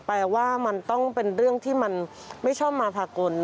แปลว่ามันต้องเป็นเรื่องที่มันไม่ชอบมาพากล